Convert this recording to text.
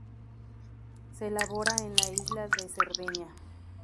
Se elabora en la isla de Cerdeña.